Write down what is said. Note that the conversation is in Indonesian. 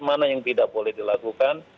mana yang tidak boleh dilakukan